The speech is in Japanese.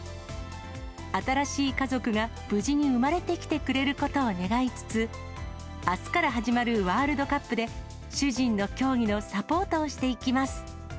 新しい家族が無事に生まれてきてくれることを願いつつ、あすから始まるワールドカップで、主人の競技のサポートをしていきます。